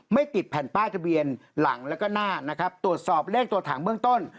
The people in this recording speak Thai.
ไม่ติดแผ่นป้ายทะเบียนหลังแล้วก็หน้านะครับตรวจสอบเลขตัวถังเบื้องต้น